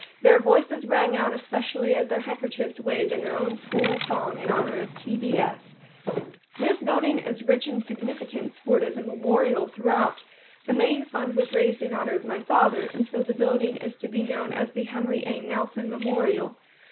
Their voices rang out especially as their handkerchiefs waved in their own school song in honor of T. B. S. This building is rich in significance, for it is a memorial throughout. The main fund was raised in honor of my father, and so the building is to be known as the Henry A. Nelson Memorial.